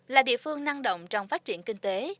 là địa phương năng động trong phát triển kinh tế